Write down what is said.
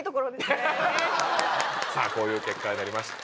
さぁこういう結果になりました。